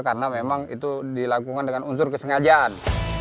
karena memang itu dilakukan dengan unsur kesengajaan